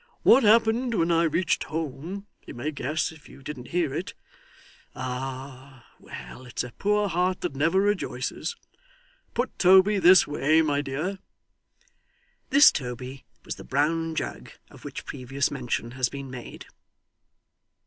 'What happened when I reached home you may guess, if you didn't hear it. Ah! Well, it's a poor heart that never rejoices. Put Toby this way, my dear.' This Toby was the brown jug of which previous mention has been made.